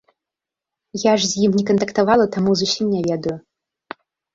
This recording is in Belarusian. Я ж з ім не кантактавала, таму зусім не ведаю.